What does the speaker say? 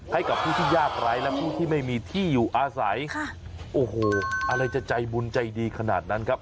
ให้กับผู้ที่ยากไร้และผู้ที่ไม่มีที่อยู่อาศัยค่ะโอ้โหอะไรจะใจบุญใจดีขนาดนั้นครับ